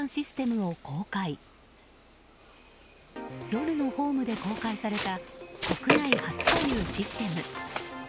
夜のホームで公開された国内初というシステム。